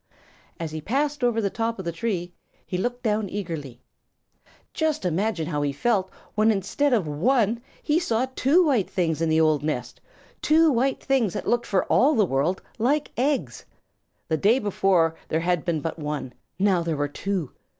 As he passed over the top of the tree, he looked down eagerly. Just imagine how he felt when instead of one, he saw two white things in the old nest two white things that looked for all the world like eggs! The day before there had been but one; now there were two.